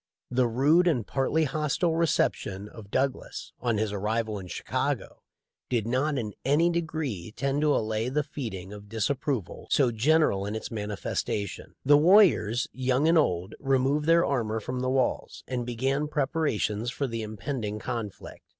The rude and partly hostile reception of 366 THE LIFE OF LINCOLN. Douglas, on his arrival in Chicago, did not in any degree tend to allay the feeling of disapproval so general in its manifestation. The warriors, young and old, removed their armor from the walls, and began preparations for the impending conflict.